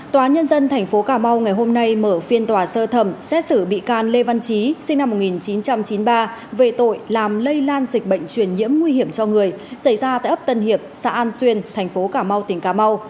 tòa nhân dân tp cà mau ngày hôm nay mở phiên tòa sơ thẩm xét xử bị can lê văn trí sinh năm một nghìn chín trăm chín mươi ba về tội làm lây lan dịch bệnh truyền nhiễm nguy hiểm cho người xảy ra tại ấp tân hiệp xã an xuyên thành phố cà mau tỉnh cà mau